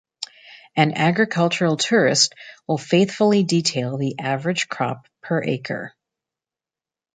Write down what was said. An agricultural tourist will faithfully detail the average crop per acre.